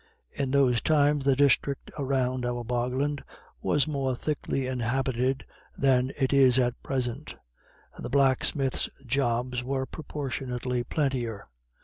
In those times the district around our bogland was more thickly inhabited than it is at present, and the blacksmith's jobs were proportionately plentier.